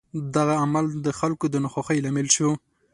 دغه عمل د خلکو د ناخوښۍ لامل شو.